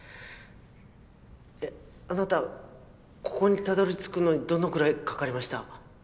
ここにたどり着くのにどのくらいかかりました？